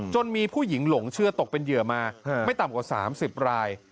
มีผู้หญิงหลงเชื่อตกเป็นเหยื่อมาไม่ต่ำกว่า๓๐ราย